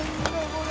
これ。